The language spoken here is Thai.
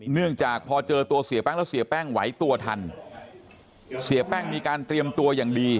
เนื่องจากพอเจอตัวเสียแป้งแล้วเสียแป้งไหวตัวทันเสียแป้งมีการเตรียมตัวอย่างดี